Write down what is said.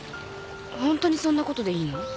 ホントにそんなことでいいの？